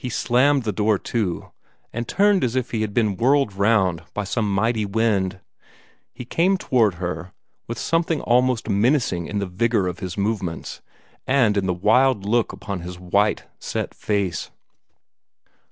He slammed the door to, and turned as if he had been whirled round by some mighty wind. He came toward her, with something almost menacing in the vigor of his movements, and in the wild look upon his white, set face.